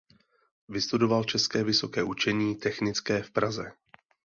Vystudoval České vysoké učení technické v Praze.